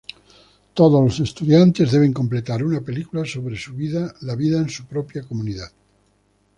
Todos los estudiantes deben completar una película sobre la vida en su propia comunidad.